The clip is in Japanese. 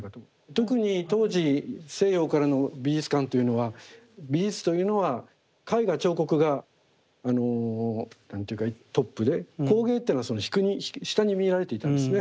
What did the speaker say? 特に当時西洋からの美術観というのは美術というのは絵画彫刻がトップで工芸っていうのはその下に見られていたんですね。